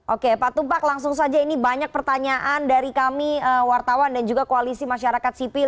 oke pak tumpak langsung saja ini banyak pertanyaan dari kami wartawan dan juga koalisi masyarakat sipil